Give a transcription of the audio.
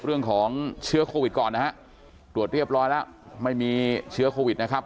เรื่องของเชื้อโควิดก่อนนะฮะตรวจเรียบร้อยแล้วไม่มีเชื้อโควิดนะครับ